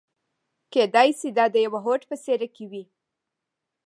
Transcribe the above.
کېدای شي دا د يوه هوډ په څېره کې وي.